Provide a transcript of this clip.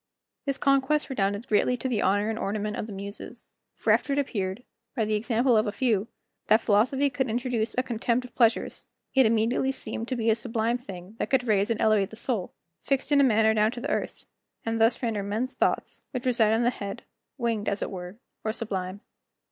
This conquest redounded greatly to the honor and ornament of the Muses; for after it appeared, by the example of a few, that philosophy could introduce a contempt of pleasures, it immediately seemed to be a sublime thing that could raise and elevate the soul, fixed in a manner down to the earth, and thus render men's thoughts, which reside in the head, winged as it were, or sublime.